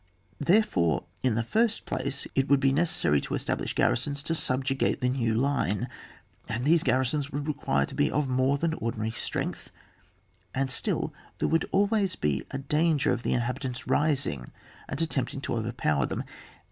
Therefore in the first place it woiUd be necessary to establish garrisons to subjugate the new line, and these garrisons would require to be of more than ordinary strength, and still there would always be a danger of the inha bitants rising and attempting to over power them.